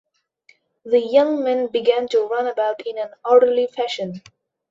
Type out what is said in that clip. The young men began to run about in an orderly fashion.